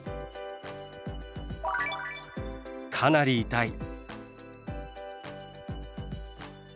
「かなり痛い」。